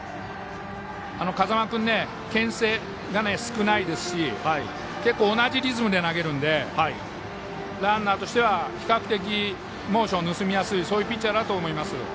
風間君けん制が少ないですし結構、同じリズムで投げるのでランナーとしては比較的モーションを盗みやすいそういうピッチャーだと思います。